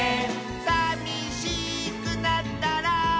「さみしくなったら」